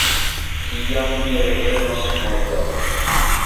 Tiam mi revenos morgaŭ.